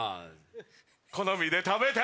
好みで食べて